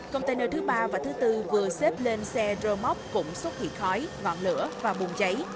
container thứ ba và thứ bốn vừa xếp lên xe rơ móc cũng sốt thịt khói vạn lửa và buồn cháy